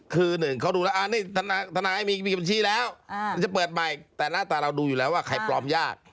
คือหนึ่งเขาดูแล้วนี่ทนายมีบัญชีแล้วมันจะเปิดใหม่แต่หน้าตาเราดูอยู่แล้วว่าใครปลอมยาก